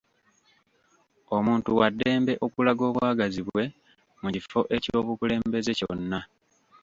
Omuntu wa ddemba okulaga obwagazi bwe mu kifo aky'obukulembeze kyonna.